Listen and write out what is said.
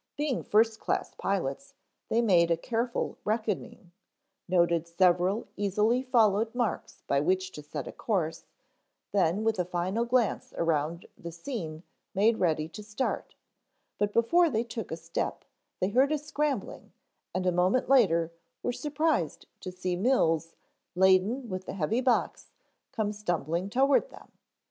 Being first class pilots they made a careful reckoning, noted several easily followed marks by which to set a course, then with a final glance around at the scene made ready to start, but before they took a step they heard a scrambling and a moment later were surprised to see Mills, laden with the heavy box, come stumbling toward them.